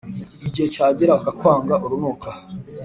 igihe cyagera bakakwanga urunuka.